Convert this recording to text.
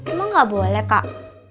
emang gak boleh kak